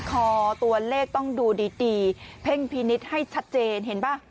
คอตัวเลขต้องดูดีเพ่งพินิษฐ์ให้ชัดเจนเห็นป่ะ